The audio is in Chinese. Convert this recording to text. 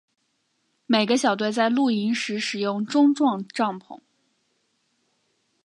每个小队在露营时使用钟状帐篷。